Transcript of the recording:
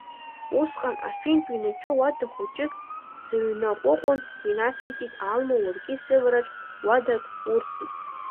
Усҟан афинтә ҩнаҿы уада хәыҷык сыҩнаҟәыҟәын, инациҵеит Алма, уаргьы сывараҿ уадак урҭеит…